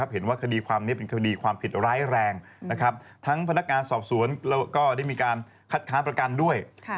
เห็นว่าคดีความนี้เป็นคดีความผิดร้ายแรงทั้งพนักงานสอบสวนแล้วก็ได้มีการคัดค้านประกันด้วย